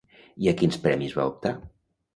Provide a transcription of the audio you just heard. I a quins premis va optar?